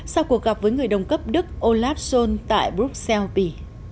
sau cuộc gặp với người đồng cấp đức olaf scholz tại bruxelles bỉ